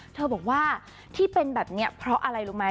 เธอบอกว่าที่เป็นแบบนี้เพราะอะไรรู้ไหม